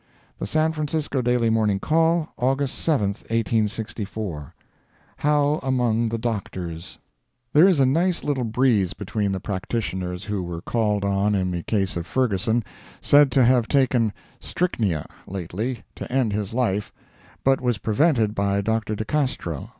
The San Francisco Daily Morning Call, August 7, 1864 HOW AMONG THE DOCTORS There is a nice little breeze between the practitioners who were called on in the case of Ferguson, said to have taken strychnia, lately, to end his life, but was prevented by Dr. De Castro.